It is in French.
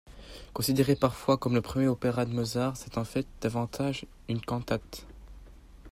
Considéré parfois comme le premier opéra de Mozart, c'est en fait davantage une cantate.